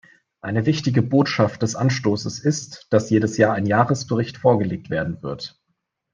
Eine wichtige Botschaft des Anstoßes ist, dass jedes Jahr ein Jahresbericht vorgelegt werden wird.